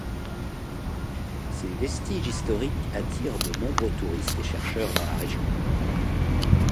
Ces vestiges historiques attirent de nombreux touristes et chercheurs dans la région.